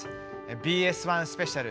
ＢＳ１スペシャル